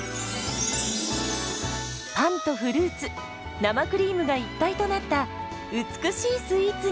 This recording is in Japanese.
パンとフルーツ生クリームが一体となった美しいスイーツに。